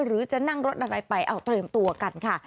หรือจะนั่งรถอะไรไปเอาเตรียมตัวกันค่ะ